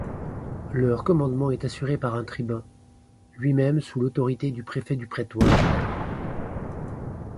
Leur commandement est assuré par un tribun, lui-même sous l'autorité du préfet du prétoire.